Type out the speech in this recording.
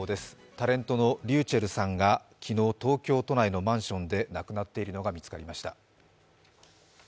タレントのｒｙｕｃｈｅｌｌさんが昨日、東京都内のマンションで亡くなっているのが見つかりました。